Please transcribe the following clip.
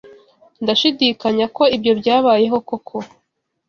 Ndashidikanya ko ibyo byabayeho koko.